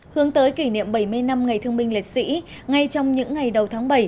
hướng tới kỷ niệm bảy mươi năm ngày thương binh liệt sĩ ngay trong những ngày đầu tháng bảy